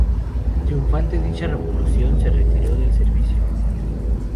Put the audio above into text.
Triunfante dicha revolución, se retiró del servicio.